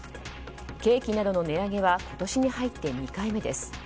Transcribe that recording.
ケーキなどの値上げは今年に入って２回目です。